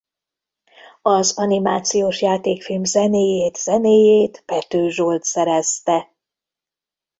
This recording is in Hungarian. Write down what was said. Az animációs játékfilm zenéjét zenéjét Pethő Zsolt szerezte.